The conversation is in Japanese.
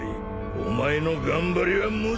お前の頑張りは無駄だぞ！